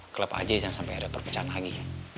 klub aja yang sampai ada perpecahan lagi